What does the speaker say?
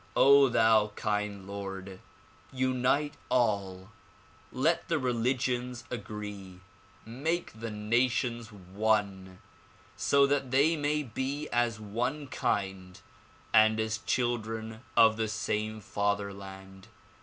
thou kind Lord! unite all, let the religions agree, make the nations one so that they may be as one kind and as children of the same fatherland.